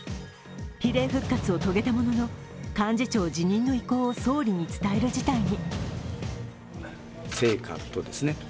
比例復活を遂げたものの幹事長辞任の意向を総理に伝える事態に。